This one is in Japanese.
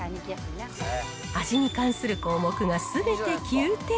味に関する項目がすべて９点。